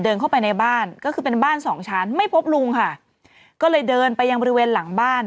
เข้าไปในบ้านก็คือเป็นบ้านสองชั้นไม่พบลุงค่ะก็เลยเดินไปยังบริเวณหลังบ้าน